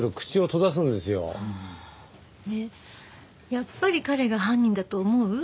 やっぱり彼が犯人だと思う？